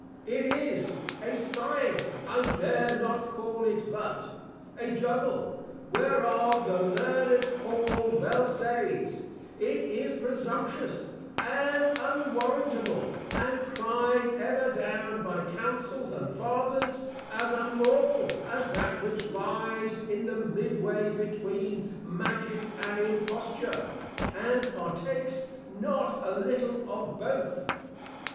It is (a Science, I dare not call it, but) a Juggle, whereof the Learned Hall well says, _It is presumptuous and unwarrantable, and cry'd ever down by Councils and Fathers, as unlawful, as that which lies in the mid way between Magick and Imposture, and partakes not a little of both.